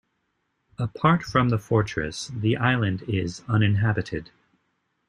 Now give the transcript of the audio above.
Apart from the fortress, the island is uninhabited.